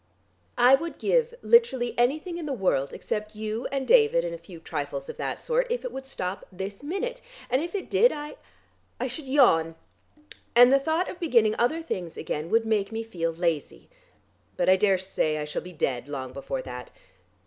I would give literally anything in the world except you and David and a few trifles of that sort, if it would stop this minute, and if it did I I should yawn. And the thought of beginning other things again would make me feel lazy. But I daresay I shall be dead long before that.